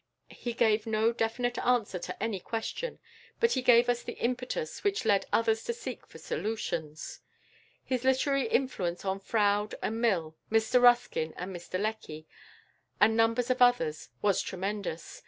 He gave no definite answer to any question, but he gave us the impetus which led others to seek for solutions. His literary influence on Froude and Mill, Mr Ruskin and Mr Lecky, and numbers of others was tremendous.